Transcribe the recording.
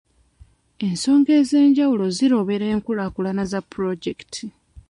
Ensonga ez'enjawulo zirobera enkulaakulana za puloojekiti.